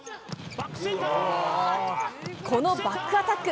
このバックアタック！